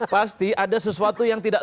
pasti ada sesuatu yang tidak